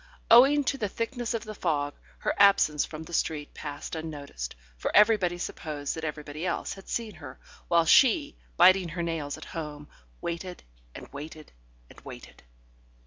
Owing to the thickness of the fog, her absence from the street passed unnoticed, for everybody supposed that everybody else had seen her, while she, biting her nails at home, waited and waited and waited.